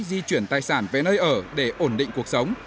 di chuyển tài sản về nơi ở để ổn định cuộc sống